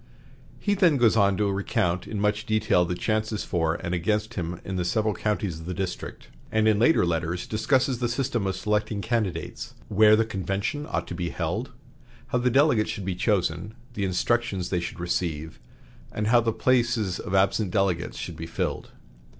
He then goes on to recount in much detail the chances for and against him in the several counties of the district, and in later letters discusses the system of selecting candidates, where the convention ought to be held, how the delegates should be chosen, the instructions they should receive, and how the places of absent delegates should be filled.